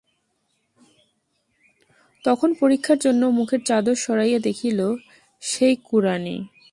তখন পরীক্ষার জন্য মুখের চাদর সরাইয়া দেখিল, সেই কুড়ানি।